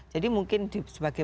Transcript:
jadi mungkin sebagai